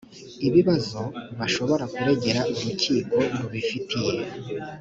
ibibazo bashobora kuregera urukiko rubifitiye